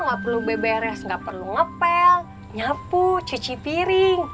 enggak perlu beberes enggak perlu ngepel nyapu cuci piring